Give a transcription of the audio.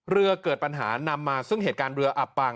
เรือเกิดปัญหานำมาซึ่งเหตุการณ์เรืออับปาง